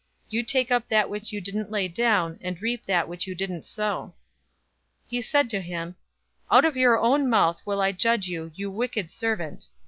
You take up that which you didn't lay down, and reap that which you didn't sow.' 019:022 "He said to him, 'Out of your own mouth will I judge you, you wicked servant!